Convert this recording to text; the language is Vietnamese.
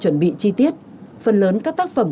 chuẩn bị chi tiết phần lớn các tác phẩm